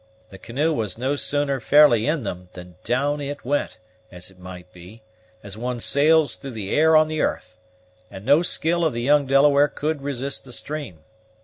The canoe was no sooner fairly in them, than down it went, as it might be, as one sails through the air on the 'arth, and no skill of the young Delaware could resist the stream.